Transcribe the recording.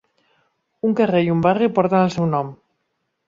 Un carrer i un barri porten el seu nom.